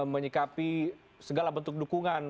menyikapi segala bentuk dukungan